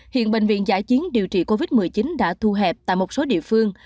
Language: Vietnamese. hiện bệnh viện giải chiến điều trị covid một mươi chín đã thu hẹp tại một số địa phương